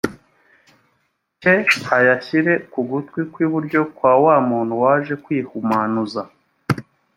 cye ayashyire ku gutwi kw iburyo kwa wa muntu waje kwihumanuza